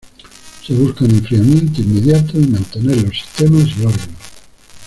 Se busca un enfriamiento inmediato y mantener los sistemas y órganos.